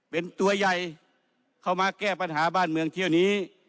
เป็นตัวใหญ่เข้ามาแก้ปัญหาบ้านเมืองเที่ยวนี้